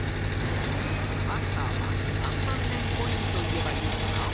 マスターはなんまんねんコインといえばいいのかな？